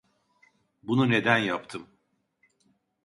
Bunu neden yaptım?